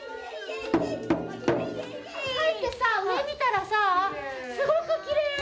だってさ上見たらさすごくきれいよ！